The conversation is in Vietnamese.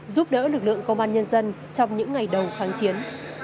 giúp đỡ lực lượng công an nhân dân trong những ngày đầu kháng chiến